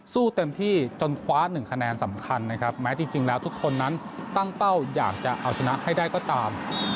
เต็มที่จนคว้าหนึ่งคะแนนสำคัญนะครับแม้จริงแล้วทุกคนนั้นตั้งเป้าอยากจะเอาชนะให้ได้ก็ตาม